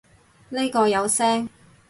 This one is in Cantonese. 呢個有聲